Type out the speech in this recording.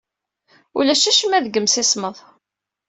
Ulac acemma deg yimsismeḍ.